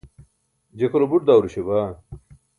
je kʰole buṭ dawruśa baa